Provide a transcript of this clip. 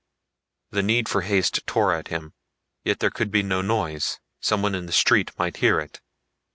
The need for haste tore at him. Yet there could be no noise someone in the street might hear it.